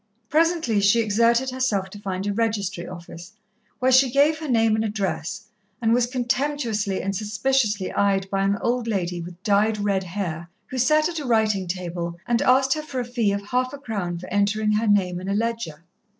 Presently she exerted herself to find a registry office, where she gave her name and address, and was contemptuously and suspiciously eyed by an old lady with dyed red hair who sat at a writing table, and asked her a fee of half a crown for entering her name in a ledger.